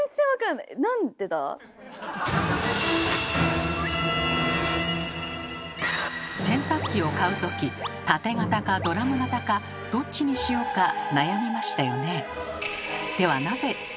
なんでだ⁉洗濯機を買う時タテ型かドラム型かどっちにしようか悩みましたよね。